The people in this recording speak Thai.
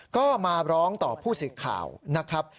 ก็มาร้องต่อผู้สื่อข่าวนะครับ